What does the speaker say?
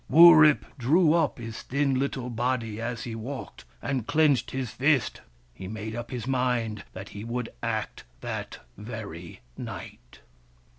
Wurip drew up his thin little body as he walked, and clenched his fist. He made up his mind that he would act that very night.